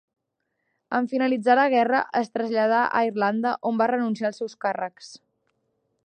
En finalitzar la guerra es traslladà a Irlanda on va renunciar als seus càrrecs.